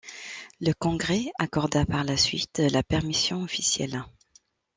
Le Congrès accorda par la suite la permission officielle.